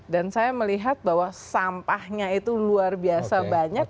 dan saya melihat bahwa sampahnya itu luar biasa banyak